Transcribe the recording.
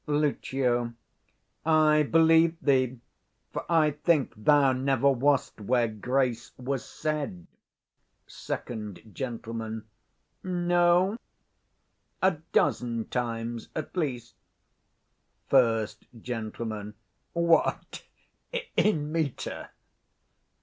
Lucio. I believe thee; for I think thou never wast where grace was said. Sec. Gent. No? a dozen times at least. 20 First Gent. What, in metre?